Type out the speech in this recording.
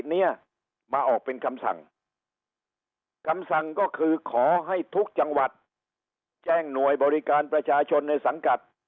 เนี่ยมาออกเป็นคำสั่งคำสั่งก็คือขอให้ทุกจังหวัดแจ้งหน่วยบริการประชาชนในสังกัด